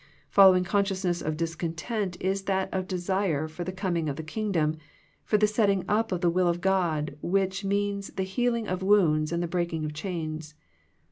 Following consciousness of discontent is that of desire for the coming of the Kingdom, for the setting up of the will of God, which means the healing of wounds and the breaking of chains.